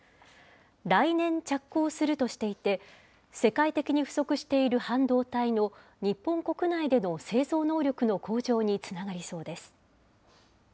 来年着工するとしていて、世界的に不足している半導体の日本国内での製造能力の向上につながりそうです。